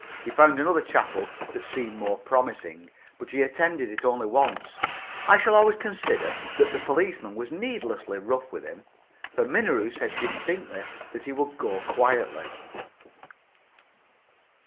He found another chapel that seemed more promising, but he attended it only once. I shall always consider that the policeman was needlessly rough with him, for Minoru said distinctly that he would go quietly.